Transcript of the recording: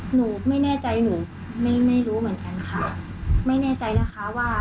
หนูไม่แน่ใจหนูไม่ไม่รู้เหมือนกันค่ะไม่แน่ใจนะคะว่า